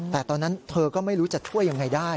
แต่ตอนนั้นเธอก็ไม่รู้จะช่วยยังไงได้